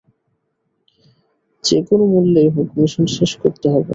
যেকোনো মূল্যেই হোক, মিশন শেষ করতে হবে।